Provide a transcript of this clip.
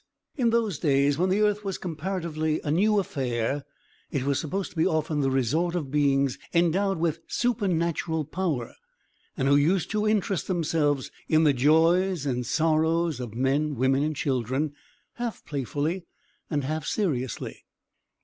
In those days, when the earth was comparatively a new affair, it was supposed to be often the resort of beings endowed with supernatural power, and who used to interest themselves in the joys and sorrows of men, women, and children, half playfully and half seriously.